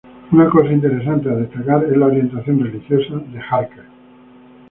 Una cosa interesante a destacar es la orientación religiosa de Harker.